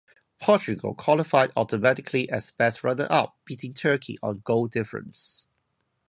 Portugal qualified automatically as best runner-up, beating Turkey on goal difference.